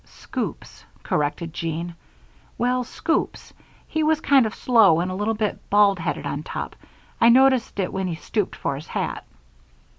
"Scoops," corrected Jean. "Well, scoops. He was kind of slow and a little bit bald headed on top I noticed it when he stooped for his hat."